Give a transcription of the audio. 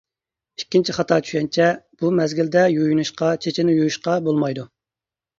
ئىككىنچى خاتا چۈشەنچە: بۇ مەزگىلدە يۇيۇنۇشقا، چېچىنى يۇيۇشقا بولمايدۇ.